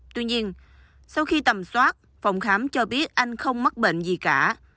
tuy nhiên sau khi tầm soát phòng khám cho biết anh không mắc bệnh gì cả